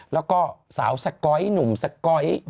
แล้วก็สาวสก๊อยหนุ่มสก๊อย